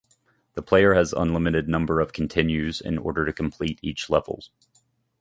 The player has an unlimited number of continues in order to complete each level.